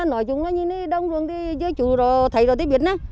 nói chúng là như này đông ruồng thì chú thấy rồi thì biết